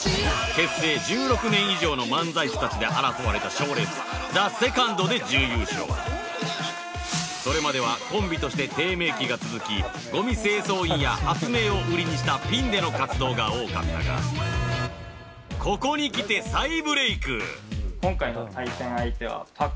結成１６年以上の漫才師たちで争われた賞レースそれまではコンビとして低迷期が続きゴミ清掃員や発明を売りにしたピンでの活動が多かったがここにきて再ブレーク！